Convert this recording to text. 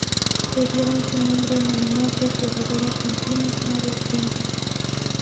Le dieron su nombre en homenaje al jugador argentino Mario Kempes.